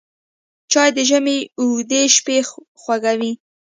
چای د ژمي اوږدې شپې خوږوي